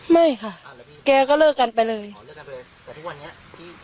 ไม่ค่ะพี่แกก็เลิกกันไปเลยอ๋อเลิกกันไปเลยแต่ทุกวันนี้พี่